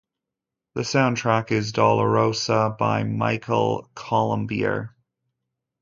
The soundtrack is "Dolorosa" by Michel Colombier.